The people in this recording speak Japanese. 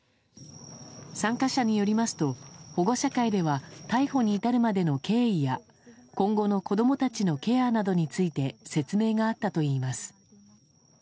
参加者によりますと、保護者会では逮捕に至るまでの経緯や、今後の子どもたちのケアなどについて、説明があったといいます。